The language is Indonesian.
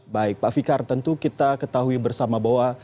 baik pak fikar tentu kita ketahui bersama bahwa